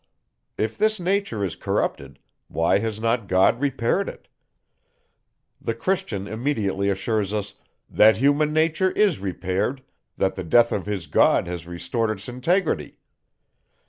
If this nature is corrupted, why has not God repaired it? The Christian immediately assures me, "that human nature is repaired; that the death of his God has restored its integrity."